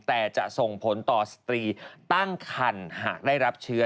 แต่จะส่งผลต่อสตรีตั้งคันหากได้รับเชื้อ